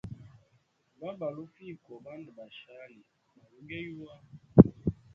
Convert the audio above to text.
Lwa balufiya koho bandu ba shali balugeyuwa.